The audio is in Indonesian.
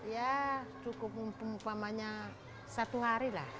ya cukup umpamanya satu hari lah